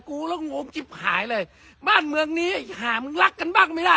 กูแล้วกูจิ๊บหายเลยบ้านเมืองนี้หามึงรักกันบ้างไม่ได้